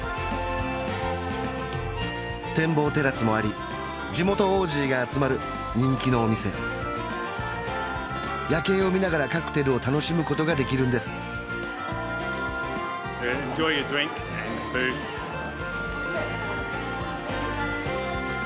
展望テラスもあり地元オージーが集まる人気のお店夜景を見ながらカクテルを楽しむことができるんですＥｎｊｏｙｄｒｉｎｋ